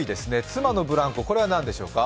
妻のブランコ、これは何ですか？